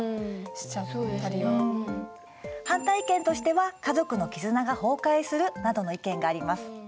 反対意見としては「家族の絆が崩壊する」などの意見があります。